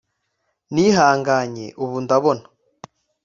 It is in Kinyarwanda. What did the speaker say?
nihanganye ubu ndabona;